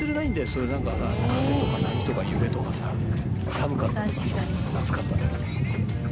それなんかさ風とか波とか揺れとかさ寒かったとかさ暑かったとかさ。